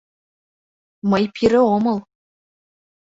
Мый пире омыл.